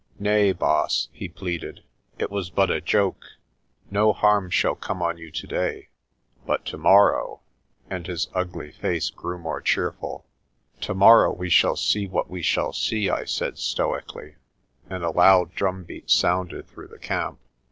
"Nay, Baas," he pleaded, "it was but a joke. No harm shall come on you today. But tomorrow " and his ugly face grew more cheerful. "Tomorrow we shall see what we shall see," I said stoically, and a loud drumbeat sounded through the camp.